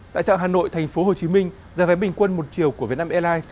tại trạng hà nội thành phố hồ chí minh giá vé bình quân một triệu của vietnam airlines